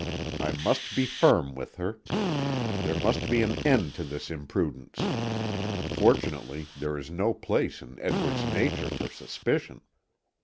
I must be firm with her. There must be an end to this imprudence. Fortunately there is no place in Edward's nature for suspicion."